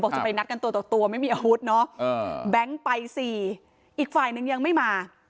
จะไปนัดกันตัวต่อตัวไม่มีอาวุธเนอะแบงค์ไปสี่อีกฝ่ายนึงยังไม่มา